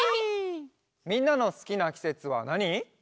みんなのすきなきせつはなに？